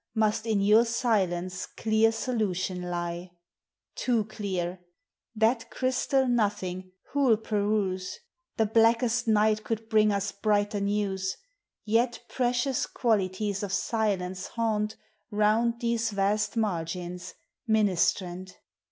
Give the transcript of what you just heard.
Must in your silence 1 clear solution lie. Too clear! that crystal DOthing who '11 perusel The blackest nighl could bring us brighter Dews. Yet precious qualities of silence haunt Round these vast margins, ministrant.